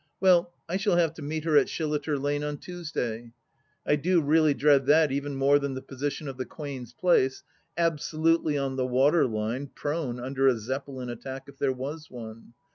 Well, I shall have to meet her at Shilliter Lane on Tuesday. I do really dread that even more than the position of the Quaias' place — absolutely on the water line, prone under a Zeppelin attack, if there was one.